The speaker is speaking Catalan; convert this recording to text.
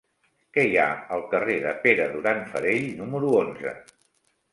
Què hi ha al carrer de Pere Duran Farell número onze?